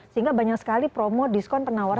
sehingga banyak sekali promo diskon penawaran